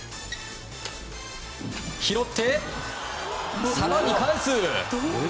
拾って、更に返す。